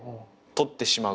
取ってしまう。